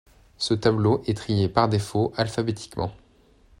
Ce tableau est trié par défaut alphabétiquement.